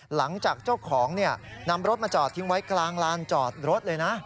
หลังจากเจ้าของนำรถมาจอดทิ้งไว้กลางลานจอดรถเลยนะ